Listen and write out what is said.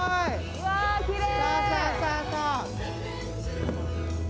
うわ、きれい！